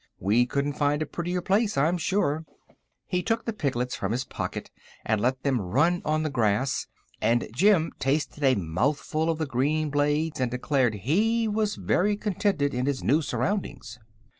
We couldn't find a prettier place, I'm sure." He took the piglets from his pocket and let them run on the grass, and Jim tasted a mouthful of the green blades and declared he was very contented in his new surroundings.